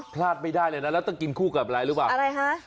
พลาดไม่ได้เลยนะแล้วต้องกินคู่กับอะไรหรือเปล่าอะไรฮะ